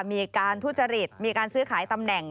มีการทุจริตมีการซื้อขายตำแหน่ง